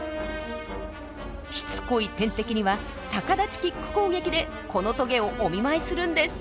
しつこい天敵には逆立ちキック攻撃でこのトゲをお見舞いするんです。